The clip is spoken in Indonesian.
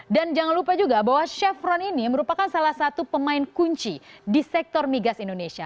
jangan lupa juga bahwa chevron ini merupakan salah satu pemain kunci di sektor migas indonesia